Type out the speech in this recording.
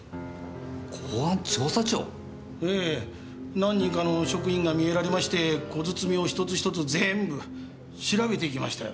何人かの職員が見えられまして小包を１つ１つ全部調べていきましたよ。